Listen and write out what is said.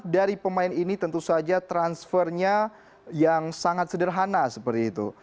dari pemain ini tentu saja transfernya yang sangat sederhana seperti itu